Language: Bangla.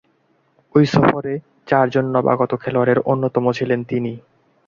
ঐ সফরে চারজন নবাগত খেলোয়াড়ের অন্যতম ছিলেন তিনি।